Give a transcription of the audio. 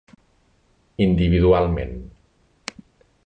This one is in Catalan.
Individualment.